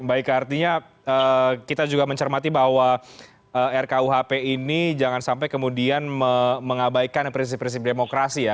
baik artinya kita juga mencermati bahwa rkuhp ini jangan sampai kemudian mengabaikan prinsip prinsip demokrasi ya